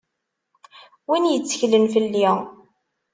Win yetteklen fell-i.